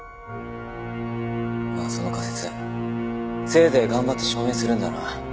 まあその仮説せいぜい頑張って証明するんだな。